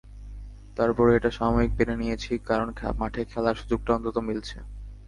তারপরও এটা সাময়িক মেনে নিয়েছি, কারণ মাঠে খেলার সুযোগটা অন্তত মিলছে।